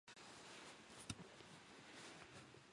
初めて見る顔で、昔と全く違う顔だった。知らない人の顔のようだった。